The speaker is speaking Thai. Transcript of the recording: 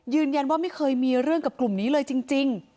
ยืนยันว่าไม่เคยมีเรื่องกับกลุ่มนี้เลยจริง